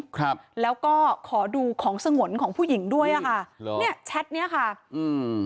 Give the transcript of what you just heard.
ครับแล้วก็ขอดูของสงวนของผู้หญิงด้วยอ่ะค่ะเหรอเนี้ยแชทเนี้ยค่ะอืม